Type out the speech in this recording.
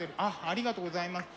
ありがとうございます。